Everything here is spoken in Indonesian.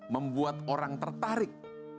membuat orang tertarik